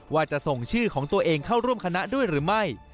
ว่าจะส่งชื่อของตัวเองเข้าร่วมคณะด้วยหรือไม่